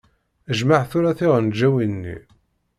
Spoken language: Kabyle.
Jmeɛ tura tiɣenǧawin-nni.